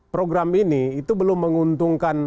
program ini itu belum menguntungkan